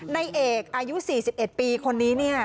ในเอกอายุ๔๑ปีคนนี้